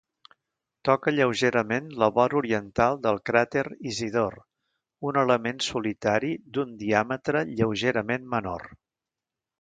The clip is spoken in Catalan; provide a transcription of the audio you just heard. Toca lleugerament la vora oriental del cràter Isidor, un element solitari d'un diàmetre lleugerament menor.